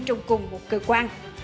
trong cùng một cơ quan